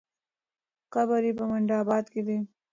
قبر یې په منډآباد کې دی.